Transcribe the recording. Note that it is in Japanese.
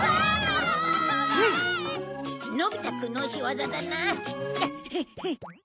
のび太くんの仕業だな！